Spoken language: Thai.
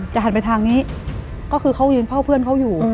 หันไปทางนี้ก็คือเขายืนเฝ้าเพื่อนเขาอยู่